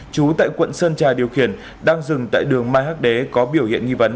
chú tại quận sơn trà điều khiển đang dừng tại đường mai hắc đế có biểu hiện nghi vấn